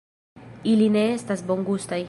Ili ne estas bongustaj